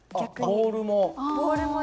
ボールも？